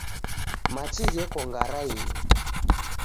Machi gheko ngarainyi.